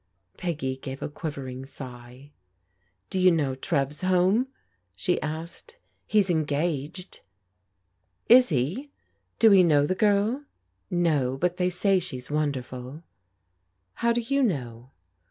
Peggy gave a quivering sigh. *' Do you know Trev's home ?" she asked. " He's engaged." " Is he ? Do we know the girl ?"" No ; but they say she's wonderful." " How do you know